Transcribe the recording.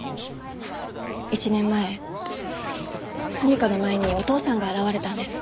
１年前純夏の前にお父さんが現れたんです。